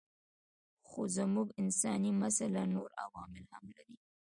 خو زموږ انساني مساله نور عوامل هم لري.